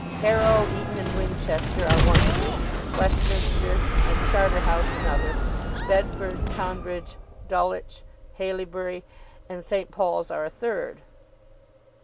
Harrow, Eton, and Winchester are one group: Westminster and Charterhouse another: Bedford, Tonbridge, Dulwich, Haileybury, and St. Paul's are a third.